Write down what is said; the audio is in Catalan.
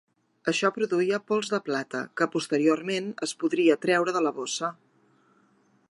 Això produïa pols de plata, que posteriorment es podria treure de la bossa.